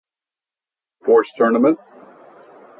The event is the city's largest annual sports tournament.